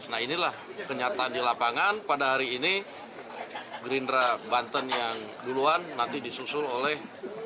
nah inilah kenyataan di lapangan pada hari ini gerindra banten yang duluan nanti disusul oleh